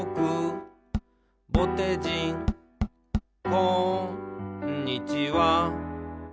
「こんにちは」